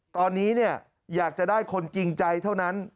ตอนนี้อยากจะได้คนจริงใจเท่านั้น